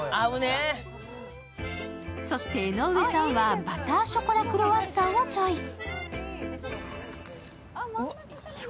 そして、江上さんはバターショコラクロワッサンをチョイス。